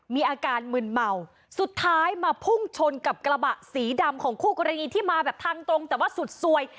มีอาการมึนเมาสุดท้ายมาพุ่งชนกับกระบะสีดำของคู่กรณีที่มาแบบทางตรงแต่ว่าสุดสวย